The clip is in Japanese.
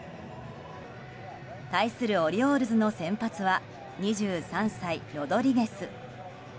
対するオリオールズの先発は２３歳、ロドリゲス。